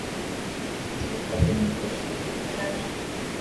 তিনি জীবিত কি মৃত, সেই বোধও তাঁর নেই।